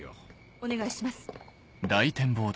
お願いします。